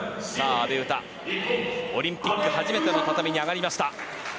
阿部詩、オリンピック初めての畳に上がりました。